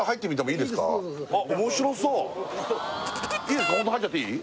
いいですどうぞいいですかホント入っちゃっていい？